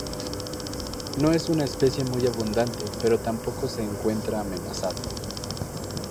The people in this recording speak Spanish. No es una especie muy abundante pero tampoco se encuentra amenazada.